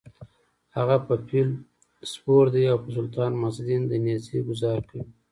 هغه په فیل سپور دی او په سلطان معزالدین د نېزې ګوزار کوي: